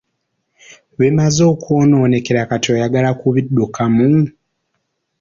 Bimaze okukwonoonekera kati oyagala kubiddukamu.